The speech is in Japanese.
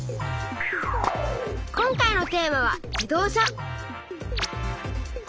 今回のテーマは「自動車」。